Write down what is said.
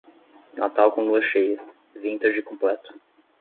Natal com lua cheia, vintage completo.